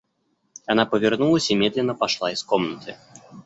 Она повернулась и медленно пошла из комнаты.